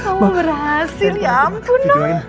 kamu berhasil ya ampun